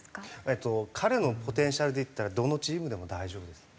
えっと彼のポテンシャルでいったらどのチームでも大丈夫です。